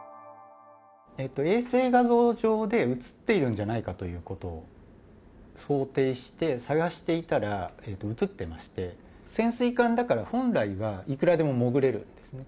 衛星画像上で写っているんじゃないかということを想定して探していたら、写っていまして、潜水艦だから、本来はいくらでも潜れるんですね。